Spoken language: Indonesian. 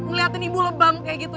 ngeliatin ibu lebam kayak gitu